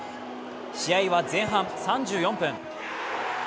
試合は前半３４分。